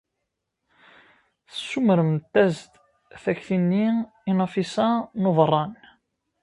Tessumremt-as-d takti-nni i Nafisa n Ubeṛṛan.